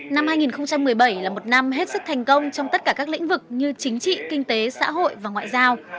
năm hai nghìn một mươi bảy là một năm hết sức thành công trong tất cả các lĩnh vực như chính trị kinh tế xã hội và ngoại giao